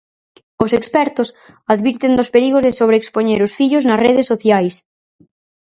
Os expertos advirten dos perigos de sobreexpoñer os fillos nas redes sociais.